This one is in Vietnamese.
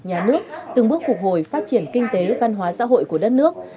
nhà nước từng bước phục hồi phát triển kinh tế văn hóa xã hội của đất nước